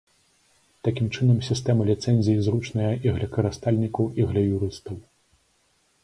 Такім чынам, сістэма ліцэнзій зручная і для карыстальнікаў, і для юрыстаў.